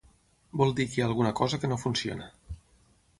Vol dir que hi ha alguna cosa que no funciona.